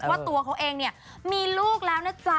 ว่าตัวเขาเองเนี่ยมีลูกแล้วนะจ๊ะ